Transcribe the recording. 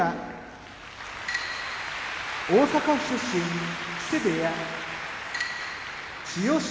大阪府出身木瀬部屋千代翔